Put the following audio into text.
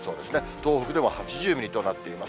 東北でも８０ミリとなっています。